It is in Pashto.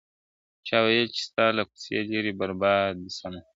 چا ویل چي ستا له کوڅې لیري به برباد سمه ..